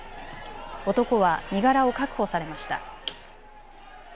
男は身柄を確保されました。